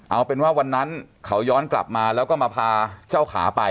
เอาเป็นว่าวันนั้นเขาย้อนกลับมาแล้วก็มาพาเจ้าขาไป